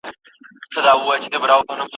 شاګرد ته د څيړني طریقه ښودل سوي ده.